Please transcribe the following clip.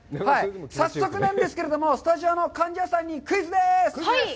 早速なんですけれども、スタジオの貫地谷さんにクイズです！